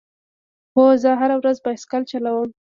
هو، زه هره ورځ بایسکل چلوم